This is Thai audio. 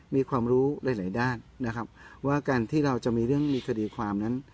มีความรู้หลายด้านนะครับว่าการที่เราจะมีเรื่องมีคดีความนั้น